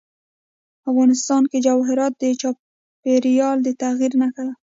افغانستان کې جواهرات د چاپېریال د تغیر نښه ده.